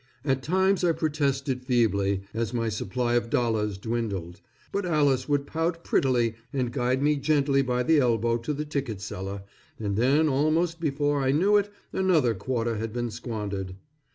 At times I protested feebly, as my supply of dollars dwindled, but Alice would pout prettily and guide me gently by the elbow to the ticket seller, and then almost before I knew it another quarter had been squandered.